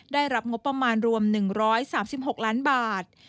ได้รับงบประมาณรวม๑๓๖ล้านบาท